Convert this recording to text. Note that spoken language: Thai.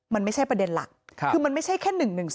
มันไม่ใช่ประเด็นหลักคือมันไม่ใช่แค่๑๑๒